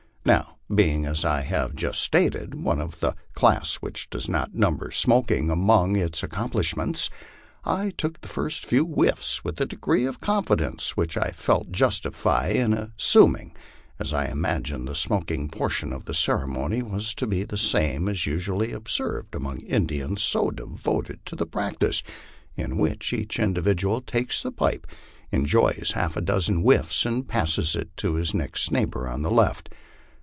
Now being, as I have just stated, one of that class which does not number smoking among its accomplishments, I took the first few whiffs with a degree of confidence which I felt justified in assuming, as I imagined the smoking portion of the ceremony was to be the same as usually observed among Indians so devoted to the practice, in which each individual takes the pipe, enjoys half a dozen whiffs, and passes it to his next neighbor on his left.